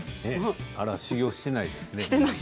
あれは修行してないですね